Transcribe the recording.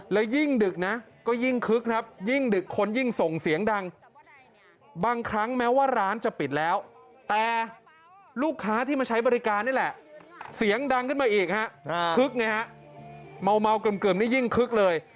แล้วยิ่งดึกนะก็ยิ่งคึกครับยิ่งดึกคนยิ่งส่งเสียงดังบางครั้งแม้ว่าร้านจะปิดแล้วแต่ลูกค้าที่มาใช้บริการนี่แหละเสียงดังขึ้นมาอีกฮะคึกไงฮะเมาเกลิมนี่ยิ่งคึกเลย